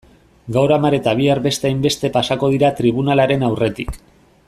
Gaur hamar eta bihar beste hainbeste pasako dira tribunalaren aurretik.